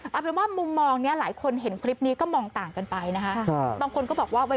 อาจเป็นว่ามุมมองนี้หลายคนเห็นคลิปนี้ก็มองต่างกันไปนะคะ